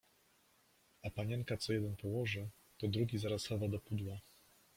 A panienka co jeden położy, to drugi zaraz chowa do pudła.